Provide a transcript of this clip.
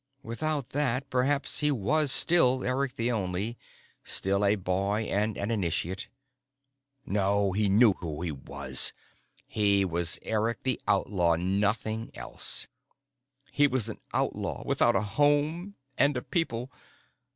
Without that, perhaps he was still Eric the Only, still a boy and an initiate. No, he knew what he was. He was Eric the Outlaw, nothing else. He was an outlaw, without a home and a people.